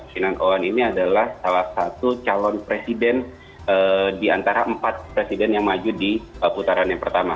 sinan oan ini adalah salah satu calon presiden di antara empat presiden yang maju di putaran yang pertama